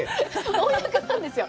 本厄なんですよ。